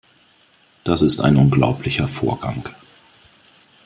Das ist ein unglaublicher Vorgang!